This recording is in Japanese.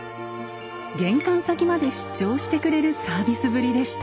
玄関先まで出張してくれるサービスぶりでした。